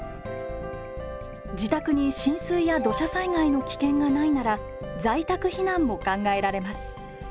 自宅に浸水や土砂災害の危険がないなら在宅避難も考えられます。